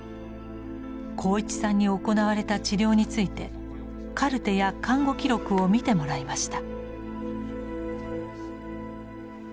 鋼一さんに行われた治療についてカルテや看護記録を見てもらいました。